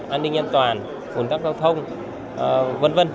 an ninh an toàn ồn tắc giao thông v v